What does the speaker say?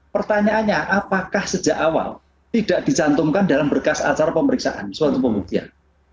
pertanyaannya apakah sejak awal tidak dicantumkan dalam berkas acara pemeriksaan suatu pembuktian